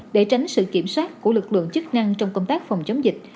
để tránh sự kiểm soát của lực lượng chức năng trong công tác phòng chống dịch